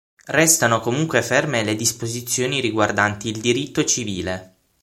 Restano comunque ferme le disposizioni riguardanti il Diritto civile.